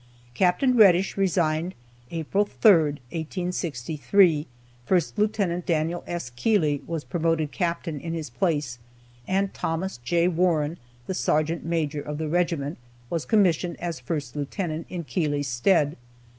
Capt. Reddish resigned April 3rd, 1863, First Lieutenant Daniel S. Keeley was promoted Captain in his place, and Thomas J. Warren, the sergeant major of the regiment, was commissioned as First Lieutenant in Keeley's stead.